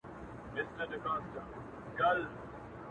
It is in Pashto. • ما په تور کي د مرغۍ ډلي لیدلې-